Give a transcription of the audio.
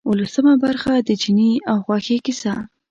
اوولسمه برخه د چیني او غوښې کیسه.